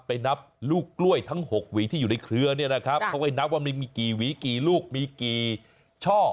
นับลูกกล้วยทั้ง๖หวีที่อยู่ในเครือเนี่ยนะครับเขาไปนับว่ามีกี่หวีกี่ลูกมีกี่ช่อ